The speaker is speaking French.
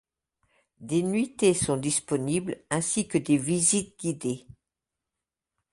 Des nuitées sont disponibles, ainsi que des visites guidées.